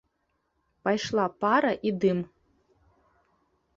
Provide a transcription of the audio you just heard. Пайшла пара і дым.